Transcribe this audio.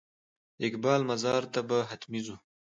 د اقبال مزار ته به حتمي ځو.